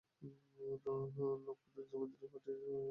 লক্ষনের জন্মদিনের পার্টি থেকে আমার জন্য কেক দিয়েছিল।